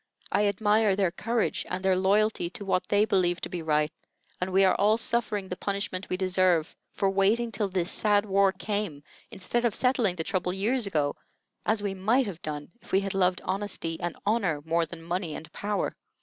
I admire their courage and their loyalty to what they believe to be right; and we are all suffering the punishment we deserve for waiting till this sad war came, instead of settling the trouble years ago, as we might have done if we had loved honesty and honor more than money and power."